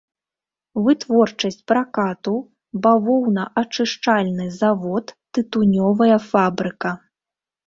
Вытворчасць пракату, бавоўнаачышчальны завод, тытунёвая фабрыка.